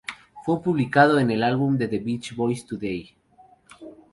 Fue publicada en el álbum "The Beach Boys Today!